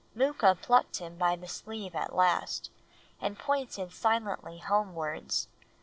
Mooka plucked him by the sleeve at last, and pointed silently homewards.